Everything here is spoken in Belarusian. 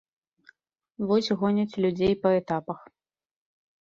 Вось гоняць людзей па этапах.